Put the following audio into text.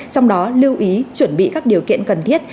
trong đó lưu ý chuẩn bị các điều kiện cần thiết